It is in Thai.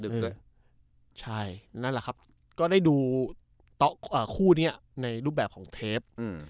นั่นแหละครับก็ไดูเต๊อปคู่นี้ในรูปแบบกันขึ้น